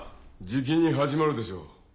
じきに始まるでしょう。